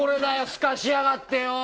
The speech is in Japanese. すかしやがってよ！